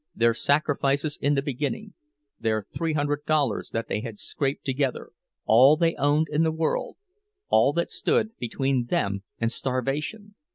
Their sacrifices in the beginning, their three hundred dollars that they had scraped together, all they owned in the world, all that stood between them and starvation!